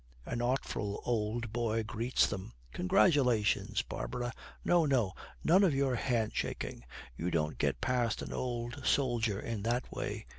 An artful old boy greets them. 'Congratulations, Barbara. No, no, none of your handshaking; you don't get past an old soldier in that way.